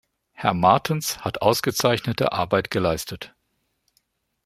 Herr Martens hat ausgezeichnete Arbeit geleistet.